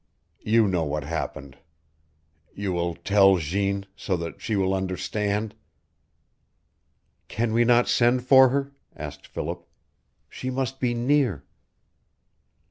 You know what happened. You will tell Jeanne so that she will understand " "Can we not send for her?" asked Philip. "She must be near."